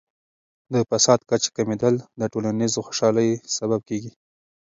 د فساد کچې کمیدل د ټولنیز خوشحالۍ سبب کیږي.